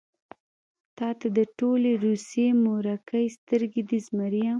تاته د ټولې روسيې مورکۍ سترګې دي زمريه.